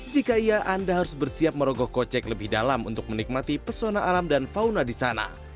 jika iya anda harus bersiap merogoh kocek lebih dalam untuk menikmati pesona alam dan fauna di sana